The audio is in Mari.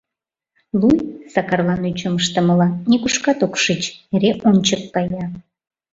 Луй, Сакарлан ӱчым ыштымыла, нигушкат ок шич, эре ончык кая.